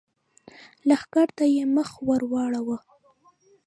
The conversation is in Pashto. لښکر ته يې مخ ور واړاوه!